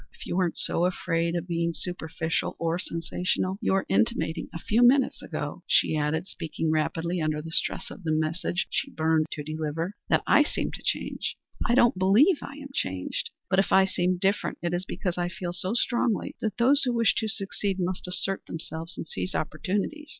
if you weren't so afraid of being superficial or sensational? You were intimating a few minutes ago," she added, speaking rapidly under the stress of the message she burned to deliver, "that I seemed changed. I don't believe I am changed. But, if I seem different, it is because I feel so strongly that those who wish to succeed must assert themselves and seize opportunities.